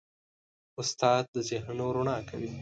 استاد د ذهنونو رڼا کوي.